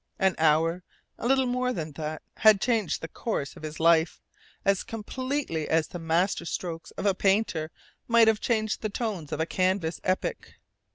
An hour a little more than that had changed the course of his life as completely as the master strokes of a painter might have changed the tones of a canvas epic.